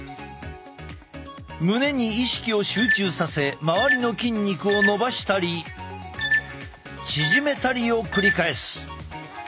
胸に意識を集中させ周りの筋肉を伸ばしたり縮めたりを繰り返す。